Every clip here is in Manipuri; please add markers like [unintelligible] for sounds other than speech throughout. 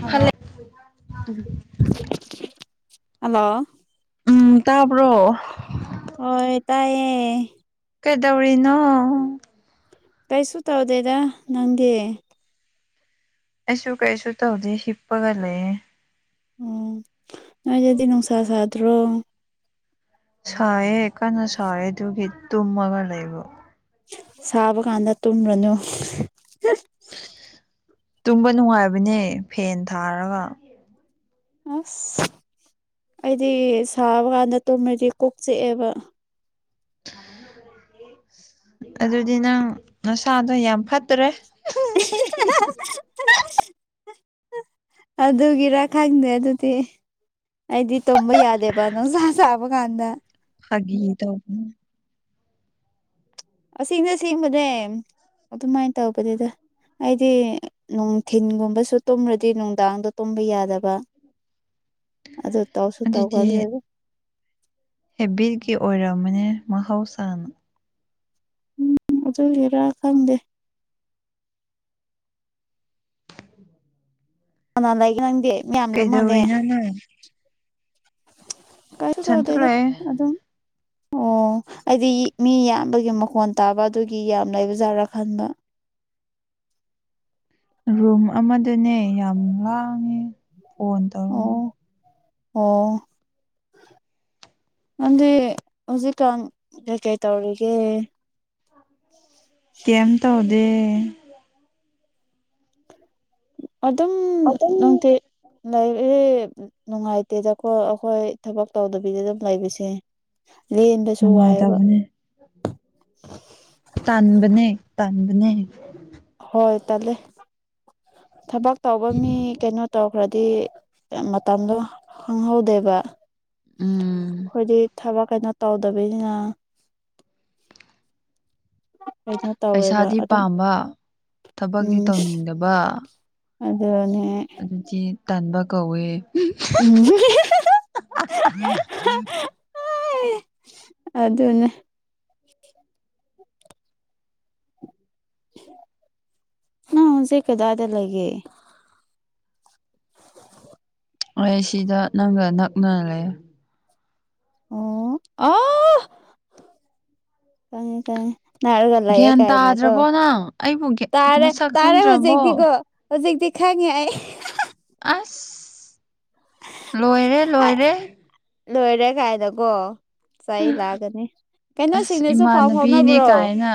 ꯍꯜꯂꯣ ꯍꯜꯂꯦ ꯍꯜꯂꯣ ꯎꯝ ꯇꯥꯕ꯭ꯔꯣ ꯍꯣꯏ ꯇꯥꯏꯌꯦꯦ ꯀꯩꯗꯧꯔꯤꯅꯣ ꯀꯩꯁꯨ ꯇꯧꯗꯦꯗ ꯅꯪꯗꯤ ꯑꯁꯨ ꯀꯩꯁꯨ ꯇꯧꯗ ꯍꯤꯞꯄꯒ ꯂꯩꯦ ꯑꯣ ꯅ ꯑꯗꯨꯗꯤ ꯅꯨꯡꯁꯥ ꯁꯥꯇ꯭ꯔꯣ ꯁꯑꯦ ꯀꯅ ꯁꯑꯦꯗꯨꯒꯤ ꯇꯃꯒ ꯂꯩꯕ ꯁꯥꯕ ꯀꯥꯟꯗ ꯇꯨꯝꯔꯅꯨ ꯇꯨꯝꯕ ꯅꯨꯡꯉꯥꯏꯕꯅꯦ ꯐꯦꯟ ꯊꯥꯔꯒ ꯑꯁ ꯑꯩꯗꯤ ꯁꯥꯕ ꯀꯥꯟꯗ ꯇꯨꯝꯃꯗꯤ ꯀꯣꯛ ꯆꯦꯛꯑꯦꯕ ꯑꯗꯨꯗꯤ ꯅꯪ ꯅꯁꯥꯗꯣ ꯌꯥꯝ ꯐꯠꯇ꯭ꯔꯦ ꯎ ꯑꯗꯨꯗꯒꯤꯔꯀꯅꯦꯦ ꯑꯗꯨꯗꯤ ꯑꯩꯗꯤ ꯇꯨꯝꯝꯕ ꯌꯥꯗꯦꯕ ꯅꯪ ꯁꯥ ꯆꯕ ꯀꯥꯟꯗ ꯍꯥꯏ ꯇꯧꯕ ꯑꯁꯤꯅ ꯦꯡꯕꯅꯦ ꯑꯗꯨꯃꯥꯏꯅ ꯇꯧꯕꯗꯨꯗ ꯑꯩꯗꯤ ꯅꯨꯡꯊꯤꯟꯒꯨꯝꯕꯁꯨ ꯇꯨꯝꯔ꯭ꯔꯗꯤ ꯅꯨꯡꯗꯥꯡꯗ ꯇꯨꯝꯕ ꯌꯥꯗꯕ ꯑꯗꯨ ꯇꯧꯁꯨ ꯇꯧꯒꯜꯂꯦꯕ ꯍꯦꯕꯤꯔꯀꯤ ꯑꯣꯏꯔꯝꯕꯅꯦ ꯃꯍꯧꯁꯥꯅ ꯎꯝ ꯑꯗꯨ ꯂꯩꯔ ꯈꯪꯗꯦ ꯎ ꯅꯥꯟꯥꯏꯒꯦ ꯅꯪꯦ ꯀꯩꯗꯧꯔꯤꯅ ꯅꯪ ꯀꯥꯏꯁꯨ ꯏꯊꯟꯇ ꯆꯥꯎꯧꯗꯦꯗꯣ ꯂꯩꯌꯦ ꯑꯗꯨꯝ [unintelligible] ꯑꯣ ꯑꯩꯗꯤ ꯃꯤ ꯌꯥꯝꯕꯒꯤ ꯃꯈꯣꯟ ꯇꯥꯕ ꯑꯗꯨꯒꯤ ꯌꯥꯝ ꯂꯩꯕꯖꯥꯠꯔꯥ ꯈꯟꯕ ꯔꯨꯝ ꯑꯃꯗꯨꯅꯦ ꯌꯥꯝ ꯂꯥꯡꯉꯤ ꯐꯣꯟ ꯑꯣ ꯇꯧꯔ ꯑꯣ ꯅꯪꯗꯤ ꯍꯧꯖꯤꯛꯀꯥꯟ ꯀꯩꯀꯩ ꯇꯧꯔꯤꯒꯦ ꯀꯩꯝ ꯇꯧꯗꯦ ꯑꯗꯨꯝ ꯅꯨꯡꯇꯦ ꯂꯩ ꯑꯦ ꯅꯨꯡꯉꯥꯏꯇꯦꯗꯈꯣꯏ ꯑꯩꯈꯣꯏ ꯊꯕꯛ ꯇꯧꯗꯕꯤꯗ ꯑꯗꯨꯝ ꯂꯩꯕꯁꯦ ꯂꯦꯟꯕꯁꯨ ꯋꯥꯏꯑꯦꯕ ꯅꯨꯡꯉꯥꯏꯇꯕꯅꯦ ꯇꯟꯥꯟꯕꯅꯦ ꯇꯥꯟꯗꯅꯦ ꯍꯣꯏ ꯇꯜꯂꯦ ꯊꯕꯛ ꯇꯧꯕ ꯃꯤ ꯀꯩꯅꯣ ꯇꯧ ꯈꯔꯗꯤ ꯃꯇꯝꯗꯣ ꯈꯪꯍꯧꯗꯦꯕ ꯎꯝ ꯑꯩꯈꯣꯏꯗꯤ ꯊꯕꯛ ꯀꯩꯅꯣ ꯇꯧꯗꯕꯅ ꯀꯩꯅꯣ ꯇꯧꯋꯦꯕ ꯄꯩꯁꯥꯗꯤ ꯑꯗꯨꯝ ꯄꯥꯝꯕ ꯊꯕꯛꯇꯤ ꯎꯝ ꯇꯧꯅꯤꯡꯗꯕ ꯑꯗꯨꯅꯦ ꯑꯗꯨꯗꯤ ꯇꯥꯟꯕ ꯀꯧꯋꯦ [unintelligible] ꯑꯗꯨ ꯑꯗꯨꯅ ꯅ ꯍꯧꯦ ꯀꯗꯥꯗ ꯂꯩꯒꯦ ꯑꯩ ꯁꯤꯗ ꯅꯪꯒ ꯅꯛꯅ ꯂꯩ ꯑꯣ ꯑ ꯀꯥꯏꯉꯦ ꯀꯥꯏꯦ ꯅꯅꯥꯔꯒꯂꯑ ꯒ꯭ꯌꯥꯟ ꯀꯥꯏꯅ ꯀꯣ ꯇꯥꯗ꯭ꯔꯕꯣ ꯅꯪ ꯑꯩꯕꯨ ꯇꯔꯦ ꯃꯁꯛ ꯇꯔꯦ ꯈꯪꯗ꯭ꯔꯕꯣ ꯍꯧꯖꯤꯦꯗꯤ ꯀꯣ ꯍꯧꯖꯤꯛꯇꯤ ꯈꯪꯉꯦ ꯑꯩ ꯂꯣꯏꯔꯦ ꯑꯩ ꯂꯣꯏꯔꯦ ꯂꯣꯏꯔꯦ ꯀꯥꯏꯅꯀꯣ ꯆ ꯂꯥꯛꯑꯒꯅꯤ ꯑꯁ ꯀꯩꯅꯣꯁꯤꯡꯅꯁꯨ ꯄꯥꯎ ꯏꯃꯥꯟꯅꯕꯤꯅꯦ ꯐꯥꯎꯅꯕ꯭ꯔꯣ ꯀꯥꯏꯅ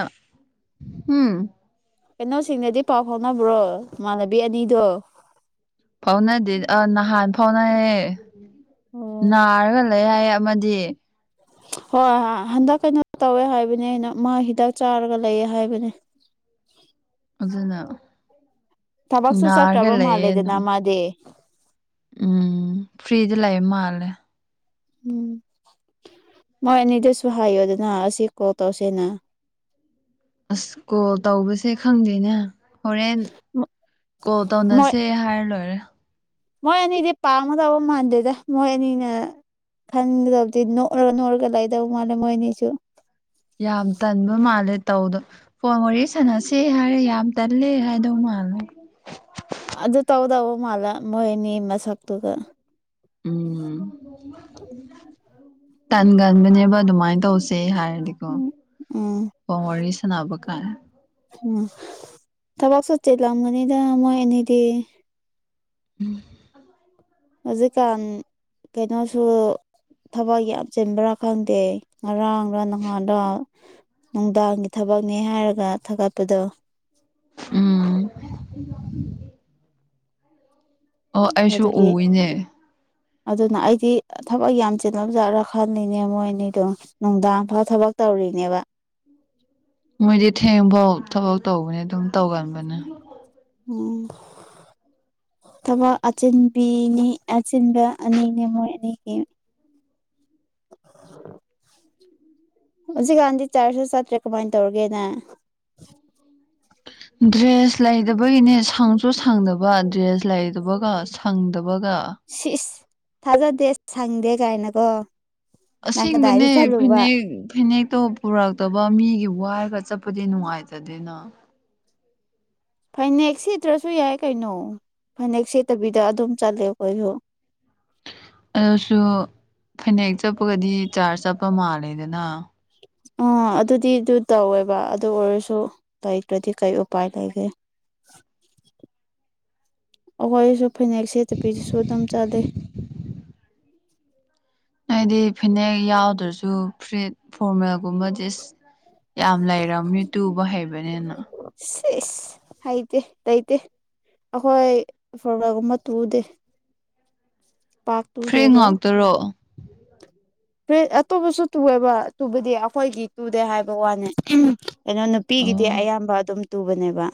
ꯎꯝ ꯀꯩꯅꯣꯁꯤꯡꯅꯗꯤ ꯄꯥꯎ ꯐꯥꯎꯅꯕ꯭ꯔꯣ ꯏꯃꯥꯟꯅꯕꯤ ꯑꯅꯤꯗꯣ ꯐꯥꯎꯅꯗꯦ ꯑ ꯅꯍꯥꯟ ꯐꯥꯎꯅꯌꯦ ꯑꯣ ꯅꯥꯔꯒ ꯂꯩ ꯍꯥꯏꯌꯦ ꯃ ꯍꯣꯏ ꯍꯣꯏ ꯍꯟꯗꯛ ꯀꯩꯅꯣ ꯇꯧꯋꯦ ꯍꯥꯏꯕꯅꯦ ꯑꯩꯅ ꯃꯥ ꯍꯤꯗꯥꯛ ꯆꯥꯔꯒ ꯂꯩꯌꯦꯦ ꯍꯥꯏꯕꯅꯦ ꯑꯗꯨꯅ ꯊꯕꯛꯁꯨ ꯅꯥꯔꯒ ꯆꯠꯇ꯭ꯔꯕ ꯂꯩꯌꯦ ꯃꯥꯜꯂꯦꯗꯅ ꯑꯗꯨꯝ ꯃꯥꯗꯤ ꯎꯝ ꯐ꯭ꯔꯤꯖ ꯂꯩꯌꯦ ꯃꯥꯂꯦ ꯎꯝ ꯃꯣꯏ ꯑꯅꯤꯗꯨꯁꯨ ꯍꯥꯏꯌꯣꯗꯅ ꯑꯁꯤ ꯀꯣꯜ ꯇꯧꯁꯦꯅ ꯑꯁ ꯀꯣꯜ ꯇꯧꯕꯁꯦ ꯈꯪꯗꯦꯅꯦ ꯍꯣꯔꯦꯟ ꯀꯣꯜ ꯃꯣꯏ ꯇꯧꯅꯁꯦ ꯍꯥꯏꯔ ꯂꯣꯏꯔꯦ ꯃꯣꯏ ꯑꯅꯤꯗꯤ ꯄꯥꯝꯃ ꯇꯧꯕ ꯃꯥꯟꯗꯦꯗ ꯃꯣꯏ ꯑꯅꯤꯅ ꯈꯪꯗꯤ ꯅꯔ ꯅꯔꯒ ꯂꯗ ꯃꯥꯦ ꯃꯣꯏꯅꯤꯁꯨ ꯌꯥꯝ ꯇꯟꯕ ꯃꯥꯜꯂꯦ ꯇꯧꯗꯣ ꯐꯣꯟ ꯋꯥꯔꯤ ꯁꯥꯟꯅꯁꯦ ꯍꯥꯏꯔꯦ ꯌꯥꯝ ꯇꯜꯂꯦ ꯍꯥꯏꯗꯧ ꯃꯥꯜꯂꯦ ꯃꯥꯅ ꯑꯗꯨ ꯇꯧꯗꯕ ꯃꯥꯂ ꯃꯣꯍꯤꯅꯤ ꯃꯁꯛ ꯇꯒ ꯎꯝ ꯇꯟꯒꯟꯕꯅꯦꯕ ꯑꯗꯨꯃꯥꯏꯅ ꯇꯧꯁꯦ ꯍꯥꯏ ꯣ ꯎꯝ ꯎꯝ ꯑꯣ ꯑꯣꯔꯁꯅꯕ ꯇꯕꯥꯛ ꯁ ꯆꯦ ꯂꯝ ꯃꯅꯤꯗ ꯃꯣꯏ ꯑꯦꯅꯦꯗꯤ ꯎꯝ ꯍꯧꯖꯤꯛꯀꯥꯟ ꯀꯩꯅꯣꯁꯨ ꯊꯕꯛ ꯌꯥꯝ ꯆꯤꯟꯕ꯭ꯔꯥ ꯈꯪꯗꯦ ꯔꯥꯡ ꯔꯪꯅꯍꯥꯟꯗ ꯅꯨꯡꯗꯥꯡꯒꯤ ꯊꯕꯛꯅꯦ ꯍꯥꯏꯔꯒ ꯊꯥꯒꯠꯄꯗꯣ ꯎꯝ ꯑꯣ ꯑꯩꯁꯨ ꯑꯗꯨꯒꯤ ꯎꯏꯅꯦ ꯑꯗꯨꯅ ꯑꯩꯗꯤ ꯊꯕꯛ ꯌꯥꯝ ꯆꯤꯂ ꯆꯥꯠꯔꯥ ꯈꯜꯂꯤꯅꯦ ꯃꯣꯏꯅꯤꯗꯣ ꯅꯨꯡꯗꯥꯡ ꯐꯥ ꯊꯕꯛ ꯇꯧꯔꯤꯅꯦꯕ ꯃꯣꯏꯗꯤ ꯊꯦꯡꯐꯥꯎ ꯊꯕꯛ ꯇꯧꯕꯅꯦ ꯑꯗꯨꯝ ꯇꯧꯒꯟꯕꯅꯦ ꯎ ꯊꯕꯥ ꯑꯆꯤꯟꯕꯤꯅꯤ ꯑꯆꯤꯟꯕ ꯑꯅꯤꯅꯦ ꯃꯣꯏꯅꯤꯒꯤ [inaudible] ꯍꯧꯖꯤꯛꯀꯥꯟꯗꯤ ꯆꯥꯔꯖꯁꯨ ꯆꯠꯇ꯭ꯔꯦ ꯀꯃꯥꯏꯅ ꯇꯧꯔꯒꯦꯅꯦ ꯗ꯭ꯔꯦꯁ ꯂꯩꯗꯕꯒꯤꯅꯦ ꯁꯪꯁꯨ ꯁꯪꯗꯕ ꯗ꯭ꯔꯦꯁ ꯂꯩꯗꯕꯒ ꯁꯪꯗꯕꯒ ꯁꯤꯁ ꯊꯥꯖꯗꯦ ꯁꯪꯗꯦ ꯀꯥꯏꯅꯀꯣ ꯅꯪ ꯀꯗꯥꯏꯗ ꯑꯁꯦꯡꯕꯅꯦ ꯆꯠꯂꯨꯕ ꯐꯅꯦꯛ ꯐꯅꯦꯛꯇꯣ ꯄꯨꯔꯛꯇꯕ ꯃꯤꯒꯤ ꯋꯥ ꯆꯄꯗꯤꯅꯅꯨꯡꯥꯏꯇꯗꯅ ꯐꯥꯏꯅꯦꯛꯁ ꯁꯤꯗ꯭ꯔꯁꯨ ꯌꯥꯏ ꯀꯩꯅꯣ ꯐꯅꯦꯛ ꯁꯦꯠꯇꯕꯤꯗ ꯑꯗꯨꯝ ꯆꯠꯂꯦ ꯑꯩꯣꯁꯨꯣ ꯑꯗꯨꯁꯨ ꯐꯅꯦꯛ ꯆꯠꯄꯒꯗꯤ ꯆꯥꯔꯖ ꯆꯠꯄ ꯃꯥꯜꯂꯦꯗꯅ ꯑꯥ ꯑꯗꯨꯗꯤ ꯑꯗꯨ ꯇꯧꯋꯦꯕ ꯑꯗꯨ ꯑꯣꯏꯔꯁꯨ ꯂꯩꯇ꯭ꯔꯗꯤ ꯀꯩ ꯎꯄꯥꯏ ꯂꯩꯒꯦ ꯎ ꯑꯩꯈꯣꯏꯁꯨ ꯐꯅꯦꯛꯁꯦꯠꯇ ꯄꯤꯁꯨ ꯑꯗꯨꯝ ꯆꯥꯗꯦ [inaudible] ꯍꯥꯏꯗꯤ ꯐꯤꯅꯦꯛ ꯌꯥꯎꯗ꯭ꯔꯁꯨ ꯐꯨꯔꯤꯠ ꯐꯣꯔꯃꯦꯜꯒꯨꯝꯕ ꯗꯤ ꯌꯥꯝ ꯂꯩꯔꯝꯅꯤ ꯇꯨꯕ ꯍꯩꯕꯅꯤꯅ ꯁ ꯑꯥꯏꯇ ꯇꯥꯏꯇ ꯑꯩꯈꯣꯏ ꯐꯔꯒꯨꯝꯕ ꯇꯨꯗꯦ ꯄꯥꯛ ꯐ꯭ꯔꯔꯤ ꯇꯨꯗꯦꯕ ꯉ ꯉꯥꯛꯇꯔꯣ ꯐꯦ ꯑꯇꯣꯞꯄꯁꯨ ꯇꯨꯑꯦꯕ ꯇꯨꯕꯗꯤ ꯑꯩꯈꯣꯏꯒꯤ ꯇꯨꯗꯦ ꯍꯥꯏꯕ ꯋꯥꯅꯤ ꯀꯩꯅꯣ ꯅꯨꯄꯤꯒꯤꯗꯤ ꯑꯌꯥꯝꯕ ꯑꯗꯨꯝ ꯇꯨꯕꯅꯦꯕ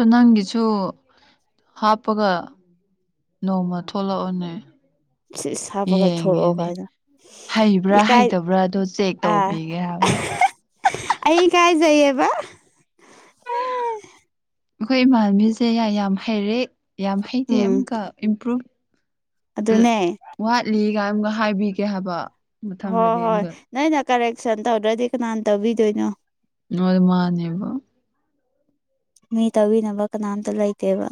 [inaudible] ꯑ ꯅꯪꯒꯤꯁꯨ ꯍꯥꯞꯄꯒ ꯅꯣꯡꯃ ꯊꯣꯛꯂꯛꯑꯣꯅꯦ ꯁꯤꯁ ꯍꯥꯞꯄꯒ ꯊꯣꯛꯂꯛꯑꯣ ꯌꯦꯡꯉꯦꯅꯦ ꯀꯥꯏꯅ ꯍꯩꯕ꯭ꯔꯥ ꯏꯀꯥꯏ ꯍꯩꯇꯕ꯭ꯔꯥ ꯑꯗꯨꯣ ꯆꯦꯛ ꯑꯥ ꯇꯧꯕꯤꯒꯦ ꯍꯥꯏꯕ ꯑꯕ ꯑꯩ ꯀꯥꯏ ꯆꯏꯌꯦꯕ ꯑ ꯑꯩꯈꯣꯏ ꯏꯃꯥꯟꯅꯕꯤꯁꯦ ꯌꯥꯝ ꯍꯩꯔꯦ ꯌꯥꯝ ꯍꯩꯇꯦ ꯎꯝ ꯑꯃꯨꯛꯀ ꯏꯝꯄ꯭ꯔꯨꯨꯞ ꯑꯗꯨꯅꯦ ꯋꯥꯠꯂꯤ ꯀꯥꯏꯝꯒ ꯍꯥꯏꯕꯤꯒꯦ ꯍꯥꯏꯕ ꯍ ꯃꯊꯪꯗꯗꯤ ꯍꯣꯏ ꯑꯃꯨꯛꯀ ꯅ ꯅ ꯀꯔꯦꯛꯁꯟ ꯇꯧ ꯑꯣꯗꯔꯗꯤꯅꯥꯥꯟ ꯇꯧꯤꯗꯅꯣ ꯑꯣꯏ ꯃꯥꯅꯦꯕ ꯃꯤ ꯇꯥꯕꯤꯅꯕ ꯀꯅꯥꯝꯇ ꯂꯩꯇꯦꯕ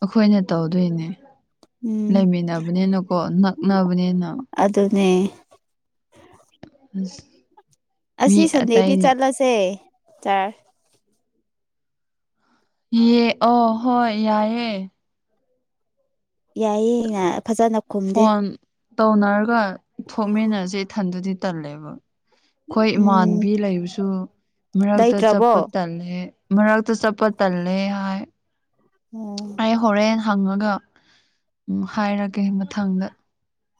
ꯑꯩꯈꯣꯏꯅ ꯇꯧꯗꯣꯏꯅꯦ ꯎꯝ ꯂꯩꯃꯤꯟꯅꯕꯅꯤꯅꯀꯣ ꯅꯛꯅꯕꯅꯤꯅ ꯁꯅꯤ ꯑꯝꯁ ꯑꯁꯤ ꯁꯟꯗꯦꯗꯤ ꯆꯠꯂꯁꯦ ꯆꯔ ꯌꯦ ꯑꯣ ꯍꯣꯏ ꯌꯥꯏꯑꯦ ꯌꯥꯏ ꯉ ꯐꯣꯟ ꯇꯧꯅꯔꯒ ꯊꯣꯛꯃꯤꯟꯅꯁꯦ ꯏꯊꯟꯗꯨꯗꯤ ꯇꯜꯂꯦꯕ ꯑꯩꯈꯣꯏ ꯎꯝ ꯏꯃꯥꯟꯕꯤ ꯂꯩꯕꯁꯨ ꯃꯔꯛꯇ ꯆꯠꯄ ꯂꯩꯇ꯭ꯔꯕꯣ ꯇꯜꯂꯦ ꯃꯔꯛꯛꯇ ꯆꯄ ꯇꯜꯂ ꯍꯥꯏ ꯑꯣ ꯑꯩ ꯍꯣꯔꯦꯟꯅ ꯍꯪꯉꯒ ꯎꯝ ꯍꯥꯏꯔꯒꯦ ꯃꯊꯪꯗ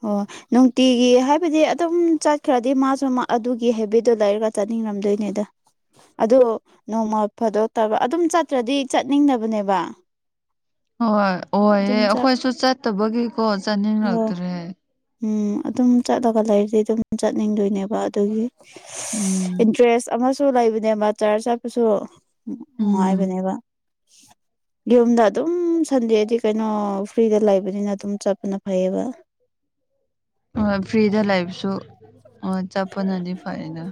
ꯑꯣ ꯅꯨꯡꯇꯤꯒꯤ ꯍꯥꯏꯕꯗꯤ ꯑꯗꯨꯝ ꯆꯠꯈ꯭ꯔꯗꯤ ꯃꯥꯁꯨ ꯑꯗꯨꯒꯤ ꯍꯦꯕꯤꯠꯇꯨ ꯂꯩꯔꯒ ꯆꯠꯅꯤꯡꯉ ꯅꯤꯡꯉꯝꯗꯣꯏꯅꯦ ꯑꯗ ꯑꯗꯨ ꯅꯣꯡꯃ ꯐꯗꯣꯛꯇꯕ ꯑꯗꯨꯝ ꯆꯠꯇ꯭ꯔꯗꯤ ꯆꯠꯅꯤꯡꯗꯕꯅꯦꯕ ꯍꯣꯏ ꯑꯣꯏꯍꯦ ꯑꯗꯨꯝ ꯆꯠ ꯑꯩꯈꯣꯏꯁꯨ ꯆꯠꯇꯕꯒꯤꯀꯣ ꯑꯣ ꯆꯠꯅꯤꯡꯂꯛꯇ꯭ꯔꯦ ꯎꯝ ꯑꯗꯨꯝ ꯆꯠꯂꯒ ꯂꯩꯔꯗꯤ ꯑꯗꯨꯝ ꯆꯠꯅꯤꯡꯗꯣꯏꯅꯦꯕ ꯑꯗꯨꯒꯤ ꯎꯝ ꯏꯟꯇꯔꯦꯁ ꯑꯃꯁꯨ ꯂꯩꯕꯅꯦ ꯃꯆꯥꯔ ꯆꯠꯄꯁꯨ ꯎ ꯎꯝ ꯅꯨꯡꯉꯥꯏꯕꯅꯦꯕ [unintelligible] ꯌꯨꯝꯗ ꯑꯗꯨꯝ ꯁꯟꯗꯦꯗꯤ ꯀꯩꯅꯣ ꯐ꯭ꯔꯤꯗ ꯂꯩꯕꯅꯤꯅ ꯑꯗꯨꯝ ꯆꯠꯄꯅ ꯐꯩꯌꯦꯕ ꯑ ꯐ꯭ꯔꯤꯗ ꯂꯩꯕꯁꯨ ꯑ ꯆꯠꯄꯅꯅꯤ ꯐꯩꯅ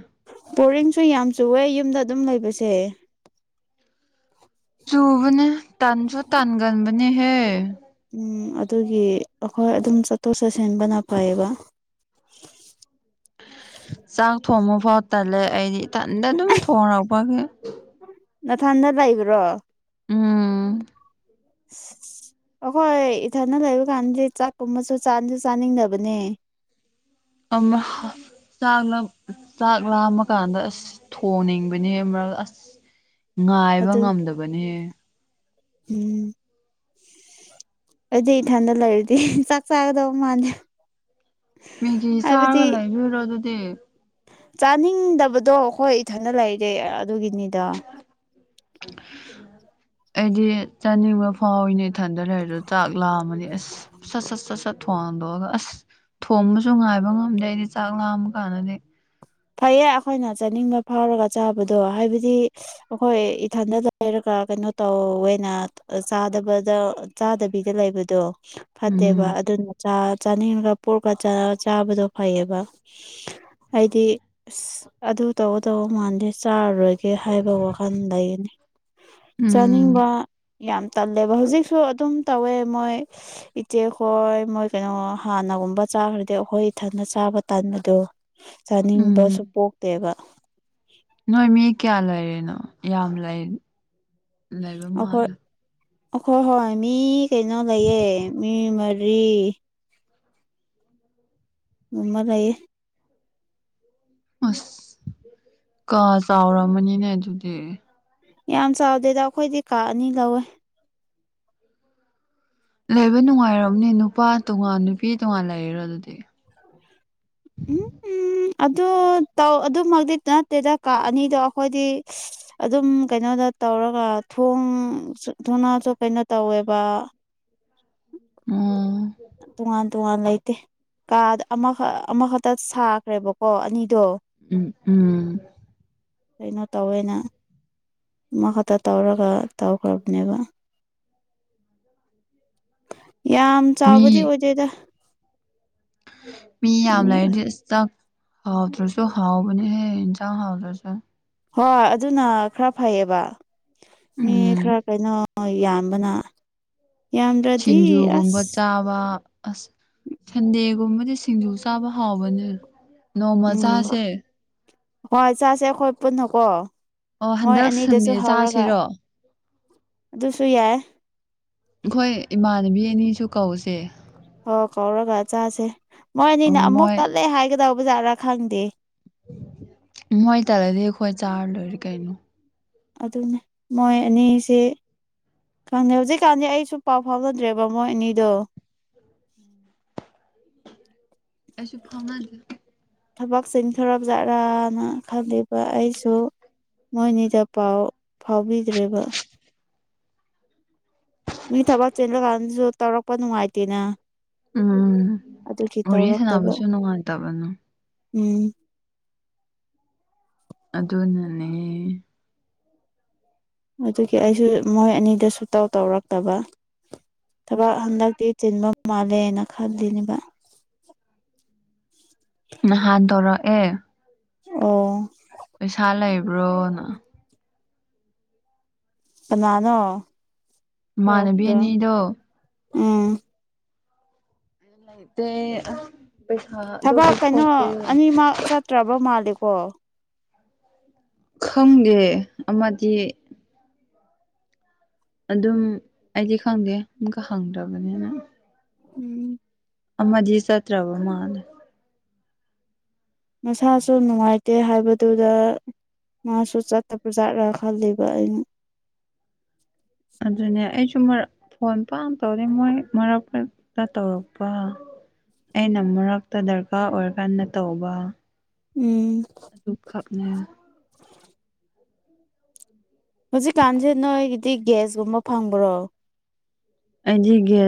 ꯕꯣꯔꯤꯡꯁꯨ ꯌꯥꯝ ꯆꯨꯑꯦ ꯌꯨꯝꯗ ꯑꯗꯨꯝ ꯂꯩꯕꯁꯦ ꯆꯨꯕꯅꯦ ꯇꯟꯁꯨ ꯇꯟꯒꯟꯕꯅꯦꯍꯦ ꯎꯝ ꯑꯗꯨꯒꯤ ꯑꯩꯈꯣꯏ ꯑꯗꯨꯝ ꯆꯠꯊꯣꯛ ꯆꯠꯁꯤꯟꯕꯅ ꯐꯩꯌꯦꯕ ꯆꯥꯛ ꯊꯣꯡꯕ ꯐꯥꯎ ꯇꯜꯂꯦ ꯑꯩꯗꯤ ꯇꯟꯗ ꯑꯗꯨꯝ ꯊꯣꯡꯣꯔꯎꯕꯒ ꯅꯊꯟꯗ ꯂꯩꯕ꯭ꯔꯣ ꯎꯝ ꯎ ꯑꯩꯈꯣꯏ ꯏꯊꯅ ꯂꯩꯕ ꯀꯥꯟꯗꯗꯤ ꯆꯥꯛꯀꯨꯝꯕꯁꯨꯁꯨ ꯆꯥꯅꯤꯡꯗꯕꯅꯦ ꯑꯃ ꯍꯥ ꯆꯥꯛ ꯆꯥꯛ ꯂꯥꯃ ꯀꯥꯟꯗ ꯑꯁ ꯊꯣꯡꯅꯤꯡꯕꯅꯤ ꯃꯔ ꯑꯁ ꯉꯥꯏꯕ ꯑꯗꯨ ꯉꯝꯗꯕꯅꯦ ꯎꯝ ꯑꯗꯨꯗꯤ ꯏꯊꯟꯗ ꯂꯩꯔꯗꯤ ꯆꯥꯛ ꯆꯥꯒꯗꯧ ꯃꯥꯥꯟꯜꯂꯦ ꯃꯦꯒꯤ ꯆꯥꯔꯒ ꯂꯩꯕꯤꯨꯔꯣ ꯑꯗꯨꯗꯤ ꯆꯥꯅꯤꯡꯗꯕꯗꯣ ꯑꯩꯈꯣꯏ ꯏꯊꯅ ꯂꯩꯔꯦ ꯑꯗꯨꯒꯤꯅꯤꯗ ꯑꯩꯗꯤ ꯆꯥꯅꯤꯡꯕ ꯐꯥꯎꯋꯤꯅꯦ ꯃꯊꯟꯗꯅ ꯍꯥꯏꯔꯣ ꯆꯥꯛ ꯂꯥꯛꯑꯝꯃꯅꯤ ꯑꯁ ꯁꯠ ꯁꯠ ꯁꯠ ꯁꯠ ꯊꯣꯡꯗꯣꯒ ꯑꯁ ꯊꯣꯡꯕꯁꯨ ꯉꯥꯏꯕ ꯉꯝꯗꯦ ꯑꯩꯗꯤ ꯆꯥꯛ ꯂꯥꯝꯕ ꯀꯥꯟꯗꯗꯤ ꯐꯩꯌꯦ ꯑꯩꯈꯣꯏꯅ ꯆꯥꯅꯤꯡꯕ ꯐꯥꯎꯔꯒ ꯆꯥꯕꯗꯣ ꯍꯥꯏꯕꯗꯤ ꯑꯩꯈꯣꯏ ꯏꯊꯟꯗ ꯂꯩꯔꯒ ꯀꯩꯅꯣ ꯇꯧꯋꯦꯅ ꯆꯥꯗꯕꯗ ꯆꯥꯗꯕꯤꯗ ꯂꯩꯕꯗꯣ ꯐꯠꯇꯦꯕ ꯎꯝ ꯑꯗꯨꯅ ꯆꯥ ꯆꯥꯅꯤꯡꯉꯒ ꯄꯨꯔꯒ ꯆꯥꯕꯗꯣ ꯐꯩꯌꯦꯕ ꯑꯩꯗꯤ ꯑꯁ ꯑꯗꯨ ꯇꯧ ꯇꯧꯕ ꯃꯥꯟꯗꯦ ꯆꯥꯔꯔꯣꯏꯒꯦ ꯍꯥꯏꯕ ꯋꯥꯈꯜ ꯂꯩꯅꯤ ꯎꯝ ꯆꯥꯅꯤꯡꯕ ꯌꯥꯝ ꯇꯜꯂꯦꯕ ꯍꯧꯖꯤꯛꯁꯨ ꯑꯗꯨꯝ ꯇꯧꯋꯦ ꯃꯣꯏ ꯏꯆꯦꯛ ꯍꯣꯏ ꯃꯣꯏ ꯀꯩꯅꯣ ꯍꯥꯟꯅꯒꯨꯝꯕ ꯆꯥꯈ꯭ꯔꯗꯤ ꯑꯩꯈꯣꯏ ꯏꯊꯟꯗ ꯆꯥ ꯆꯥꯕ ꯇꯥꯟꯕꯗꯣ ꯆꯥꯅꯤꯡꯕꯁꯨ ꯎꯝ ꯄꯣꯛꯇꯦꯕ ꯅꯣꯏ ꯃꯤ ꯀꯌꯥ ꯂꯩꯔꯦꯅꯣ ꯌꯥꯝ ꯂꯩ ꯂꯩꯕ ꯃꯥꯜꯂꯦ ꯍꯣ ꯍꯣꯏ ꯃꯤ ꯀꯩꯅꯣ ꯂꯩꯑꯦ ꯃꯤ ꯃꯔꯤ ꯃꯃ ꯂꯩꯑꯌꯦ ꯑꯁ ꯀ ꯆꯥꯎꯔꯝꯃꯅꯤꯅꯦ ꯑꯗꯨꯗꯤ ꯌꯥꯝ ꯆꯥꯎꯗꯦꯗ ꯑꯩꯈꯣꯏꯗꯤ ꯀꯛꯑꯅꯤ ꯂꯧꯧꯋꯦ ꯂꯩꯕ ꯅꯨꯡꯉꯥꯏꯝꯅꯦ ꯅꯨꯄꯥ ꯇꯣꯉꯥꯟ ꯅꯨꯄꯤ ꯇꯣꯉꯥꯟ ꯂꯩꯔꯣ ꯑꯗꯨꯗꯤ ꯎ ꯑꯗꯨ ꯇ ꯑꯗꯨꯃꯛꯇꯤ ꯅꯠꯇꯦꯗ ꯀꯥ ꯑꯅꯤꯗꯣ ꯑꯩꯈꯣꯏꯗꯤ ꯑꯗꯨꯝ ꯀꯩꯅꯣ ꯇꯧꯔꯒ ꯊꯣꯡ ꯊꯨꯅꯥꯁꯨ ꯀꯩꯅꯣ ꯇꯧꯋꯦꯕ ꯎꯝ ꯇꯨꯋꯥ ꯇꯨꯋꯥ ꯂꯩ ꯅꯠꯇꯦ ꯀꯥ ꯑꯃꯈꯛ ꯑꯃꯈꯛꯇ ꯁꯥꯈ꯭ꯔꯦꯕꯀꯣ ꯑꯅꯤꯗꯣ ꯎꯝ ꯎꯝ ꯀꯩꯅꯣ ꯇꯧꯋꯦꯅ ꯑꯃꯈꯛꯇ ꯇꯧꯔꯒ ꯇꯧꯈ꯭ꯔꯕꯅꯦꯕ ꯌꯥꯝ ꯃꯤ ꯆꯥꯎꯕꯗꯤ ꯑꯣꯏꯗꯦꯗ ꯃꯤ ꯌꯥꯝ ꯑꯅꯤ ꯂꯩꯔꯗꯤ ꯑꯇ ꯍꯥꯎꯗ꯭ꯔꯁꯨ ꯍꯥꯎꯕ ꯍꯦ ꯏ ꯆꯥꯎ ꯍꯥꯎꯗ꯭ꯔꯁꯨ ꯍꯣꯏ ꯑꯗꯨꯅ ꯈꯔ ꯐꯩꯌꯦꯕ ꯃꯤ ꯈꯔ ꯎꯝ ꯀꯩꯅꯣ ꯍꯣꯏ ꯌꯥꯝꯕꯅ ꯌꯥꯝꯗ꯭ꯔꯗꯤ ꯁꯤꯡꯖꯨꯒꯨꯝꯕ ꯑꯁ ꯆꯥꯕ ꯑꯁ ꯁꯟꯗꯦꯒꯨꯝꯕꯗꯤ ꯁꯤꯡꯖꯨ ꯆꯥꯕ ꯍꯥꯎꯕꯅꯦ ꯅꯣꯡꯃ ꯎꯝ ꯆꯥꯁꯦ ꯍꯣꯏ ꯆꯥꯁꯦ ꯑꯩꯈꯣꯏ ꯄꯨꯟꯅꯀꯣ ꯑꯣ ꯃꯣꯏ ꯍꯟꯗꯛ ꯑꯅꯤꯗꯁꯨ ꯁꯟꯗꯦ ꯍꯧꯔꯒ ꯆꯥꯁꯤꯔꯣ ꯑꯗꯨꯁꯨ ꯌꯥꯏ ꯑꯩꯈꯣꯏ ꯏꯃꯥꯟꯅꯕꯤ ꯑꯅꯤꯁꯨ ꯀꯧꯁꯦ ꯑꯣ ꯀꯧꯔꯒ ꯆꯥꯁꯦ ꯃꯣꯏꯅꯤꯅ ꯑꯣ, ꯑꯃꯨꯛ ꯃꯣꯏ ꯇꯠꯂꯦ ꯍꯥꯏꯒꯗꯧꯕ ꯖꯥꯠꯔꯥ ꯈꯪꯗꯦ ꯃꯣꯏ ꯇꯂ ꯗꯦꯋꯥꯥꯏ ꯆꯥꯔ ꯂꯣꯏꯔ ꯀꯥꯏꯅꯣ ꯑꯗꯨꯅꯦ ꯃꯣꯏ ꯑꯅꯤꯁꯦ ꯈꯪꯗꯦ ꯍꯧꯖꯤꯛꯀꯥꯟꯗꯤ ꯑꯩꯁꯨ ꯄꯥꯎ ꯐꯥꯎꯅꯗ꯭ꯔꯦꯕ ꯃꯣꯏ ꯑꯅꯤꯗꯣ ꯎꯝ ꯑꯁꯨ ꯐꯃꯒ ꯊꯕꯛ ꯆꯊꯔꯞꯖꯠꯔꯥꯅ ꯈꯜꯂꯤꯕ ꯑꯩꯁꯨ ꯃꯣꯏꯅꯤꯗ ꯄꯥꯎ ꯐꯥꯎꯕꯤꯗ꯭ꯔꯔꯤꯕ ꯃꯤ ꯊꯕꯛ ꯆꯦꯟꯕ ꯀꯥꯟꯗꯁꯨ ꯇꯧꯔꯛꯄ ꯅꯨꯡꯉꯥꯏꯇꯦꯅ ꯎꯝ ꯑꯗꯨꯒꯤ ꯋꯥꯔꯤꯦ ꯇꯧꯔꯛꯇꯕ ꯁꯥꯟꯅꯕꯁꯨ ꯅꯨꯡꯉꯥꯏꯇꯕꯅ ꯎꯝ ꯑꯗꯅꯅꯦ ꯑꯗꯨꯒꯤ ꯑꯩꯁꯨ ꯃꯣꯏ ꯑꯅꯤꯗ ꯁ ꯇꯧ ꯇꯧꯔꯛꯇꯕ ꯊꯕꯛ ꯍꯟꯗꯛꯇꯤ ꯆꯤꯟꯕ ꯃꯥꯜꯂꯦꯅ ꯈꯜꯂꯤꯅꯦꯕ ꯍꯥꯗꯔ ꯑꯦ ꯑꯣ ꯄꯩꯁꯥ ꯂꯩꯕ꯭ꯔꯣꯅ ꯅꯥꯅꯣ ꯃꯥꯅꯕꯤꯅꯤꯗꯣ ꯎꯝ ꯥꯏꯦ ꯊꯕꯛ ꯀꯩꯅꯣ ꯑꯅꯤꯃꯛ ꯆꯠꯇ꯭ꯔꯕ ꯃꯥꯜꯂꯦꯀꯣ ꯈꯪꯒꯦ ꯑꯃꯗꯤ ꯑꯗꯨꯝ ꯑꯩꯗꯤ ꯈꯪꯗꯦ ꯑꯃꯨꯛꯀ ꯍꯪꯗ꯭ꯔꯕꯅꯤꯅ ꯎꯝ ꯑꯃꯗꯤꯖꯤ ꯁꯠꯇ꯭ꯔꯕꯣ ꯃꯥꯗ ꯃꯁꯥꯁꯨ ꯅꯨꯡꯉꯥꯏꯇꯦ ꯍꯥꯏꯕꯗꯨꯗ ꯃꯥꯁꯨ ꯆꯠꯇꯕ꯭ꯔꯖꯥꯠ꯭ꯔ ꯈꯜꯂꯤꯕ ꯑꯩꯅ ꯑꯗꯨꯗꯅꯦ ꯐꯣꯟ ꯄꯥꯝ ꯇꯧꯔꯦ ꯃꯣꯏ ꯃꯔꯛꯛꯇ ꯇꯧꯔꯛꯄ ꯑꯩꯅ ꯃꯔꯛꯇ ꯗꯔꯀꯥꯔ ꯑꯣꯏꯔꯀꯥꯟꯗ ꯇꯧꯕ ꯎꯝ ꯑꯗꯨ ꯀꯥꯞꯅꯦ ꯍꯧꯖꯤꯛꯀꯥꯟꯁꯦ ꯅꯣꯏꯒꯤꯗꯤ ꯒ꯭ꯌꯥꯁꯀꯨꯝꯕ ꯐꯪꯕ꯭ꯔꯣ ꯑꯩꯖꯤꯒꯦ